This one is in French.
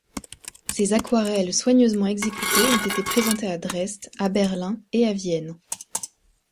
Ses aquarelles soigneusement exécutées ont été présentées à Dresde, à Berlin et à Vienne.